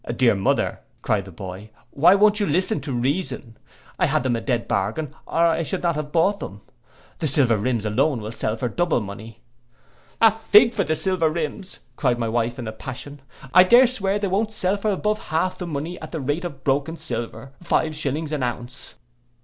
'—'Dear mother,' cried the boy, 'why won't you listen to reason? I had them a dead bargain, or I should not have bought them. The silver rims alone will sell for double money.'—'A fig for the silver rims,' cried my wife, in a passion: 'I dare swear they won't sell for above half the money at the rate of broken silver, five shillings an ounce.